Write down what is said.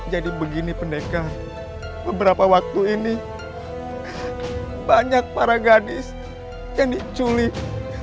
jadi begini pendekah beberapa waktu ini banyak para gadis yang diculik